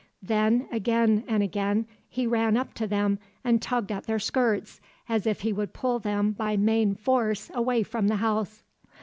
Then, again and again, he ran up to them and tugged at their skirts as if he would pull them by main force away from the house.